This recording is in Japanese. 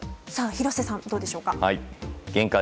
廣瀬さん、どうでしょうか。